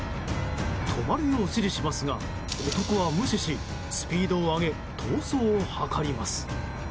止まるよう指示しますが男は無視しスピードを上げ逃走を図ります。